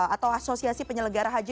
atau asosiasi penyelenggara haji